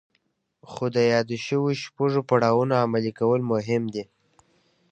خو د يادو شويو شپږو پړاوونو عملي کول مهم دي.